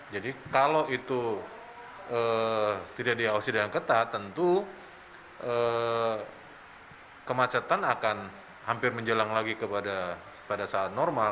kalau itu tidak diawasi dengan ketat tentu kemacetan akan hampir menjelang lagi kepada saat normal